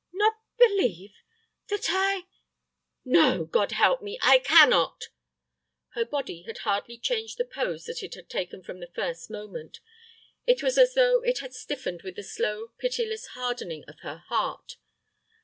"Not believe—that I—!" "No, God help me, I cannot!" Her body had hardly changed the pose that it had taken from the first moment. It was as though it had stiffened with the slow, pitiless hardening of her heart.